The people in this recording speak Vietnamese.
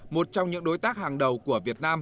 một trong những đối tác hàng đầu của việt nam